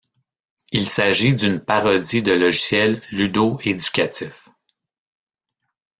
Il s'agit d'une parodie de logiciel ludo-éducatif.